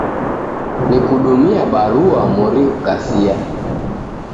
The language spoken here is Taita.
Nikudumia barua mori ghukasia.